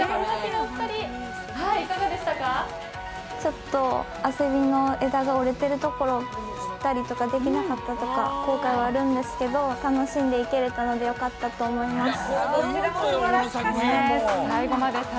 ちょっと枝が折れてるところを切ったりとかができなかった後悔はあるんですけど楽しんでできてよかったと思います。